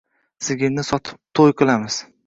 Sigirni sotib to‘y qilamiz.